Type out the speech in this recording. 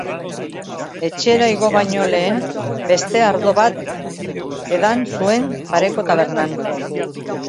Etxera igo baino lehen beste ardo bat edan zuen pareko tabernan.